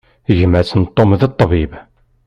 Gma-s n Tom, d ṭṭbib.